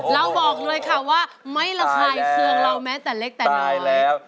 เราบอกเลยค่ะว่าไม่ระคายเคืองเราแม้แต่เล็กแต่น้อยแล้ว